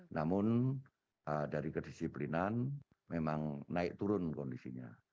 namun dari kedisiplinan memang naik turun kondisinya